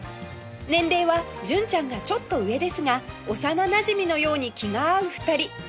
年齢は純ちゃんがちょっと上ですが幼なじみのように気が合う２人